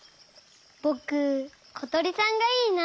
ぼくことりさんがいいな。